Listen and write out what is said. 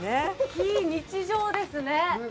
非日常ですね。